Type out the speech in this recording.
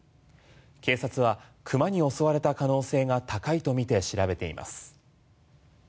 警察は熊に襲われた可能性が高いとみて調べています。